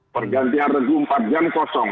pergantian regu empat jam kosong